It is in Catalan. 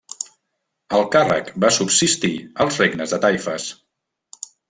El càrrec va subsistir als regnes de taifes.